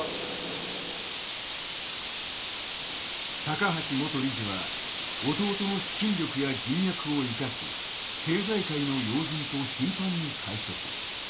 高橋元理事は弟の資金力や人脈を生かし政財界の要人と頻繁に会食。